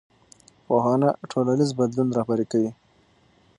پوهنه ټولنیز بدلون رهبري کوي